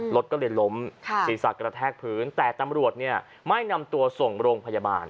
รถก็เลยล้มศีรษะกระแทกพื้นแต่ตำรวจเนี่ยไม่นำตัวส่งโรงพยาบาล